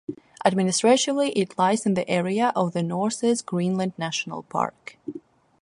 Administratively it lies in the area of the Northeast Greenland National Park.